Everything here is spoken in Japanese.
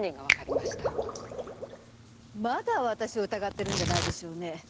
まだ私を疑ってるんじゃないでしょうね？